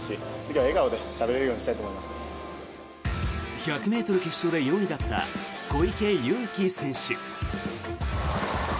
１００ｍ決勝で４位だった小池祐貴選手。